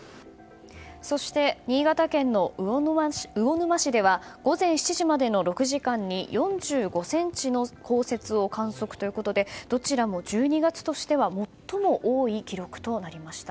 そして、新潟県の魚沼市では午前７時までの６時間に４５ｃｍの降雪を観測ということでどちらも１２月としては最も多い記録となりました。